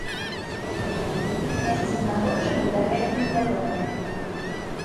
Іх месцазнаходжанне дагэтуль невядомае.